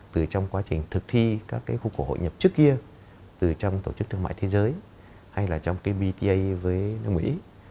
từ trong quá trình thực thi các cái khu cổ hội nhập trước kia từ trong tổ chức thương mại thế giới hay là trong cái bta với nước mỹ